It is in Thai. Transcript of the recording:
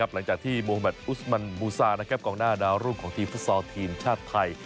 หลังจากที่โมแมทอุสมันบูซากองหน้าดาวรุ่งของทีมฟุตซอลทีมชาติไทย